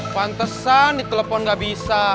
pantesan dikelopon gak bisa